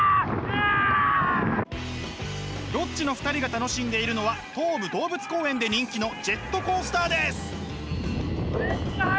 ロッチの２人が楽しんでいるのは東武動物公園で人気のジェットコースターです！